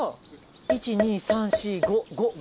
１２３４５。